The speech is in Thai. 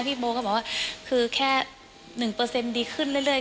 พี่โบก็บอกว่าคือแค่๑ดีขึ้นเรื่อย